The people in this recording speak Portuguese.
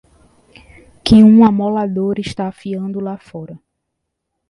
que um amolador está afiando lá fora